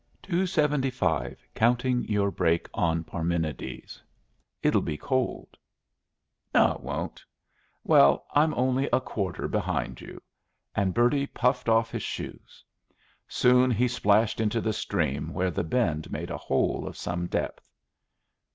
"Two seventy five, counting your break on Parmenides. It'll be cold." "No, it won't. Well, I'm only a quarter behind you." And Bertie puffed off his shoes. Soon he splashed into the stream where the bend made a hole of some depth.